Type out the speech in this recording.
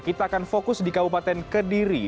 kita akan fokus di kabupaten kediri